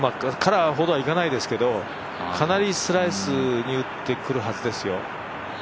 カラーほどはいかないですけど、かなりスライスに打ってくるはずですよ。